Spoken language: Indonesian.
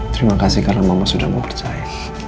terima kasih karena mama sudah mau percaya